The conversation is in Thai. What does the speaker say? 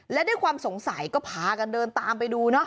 และด้วยความสงสัยก็พากันเดินตามไปดูเนอะ